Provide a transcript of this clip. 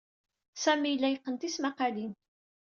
Sami yella yeqqen tismaqalin.